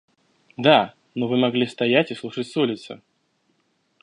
– Да, но вы могли стоять и слушать с улицы.